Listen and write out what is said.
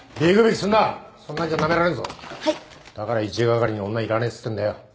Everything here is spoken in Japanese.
だから一係に女はいらねえって言ってんだよ。